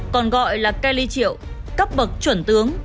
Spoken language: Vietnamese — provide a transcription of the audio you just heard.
cấp bậc chuẩn tướng